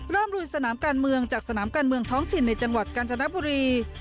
ลุยสนามการเมืองจากสนามการเมืองท้องถิ่นในจังหวัดกาญจนบุรี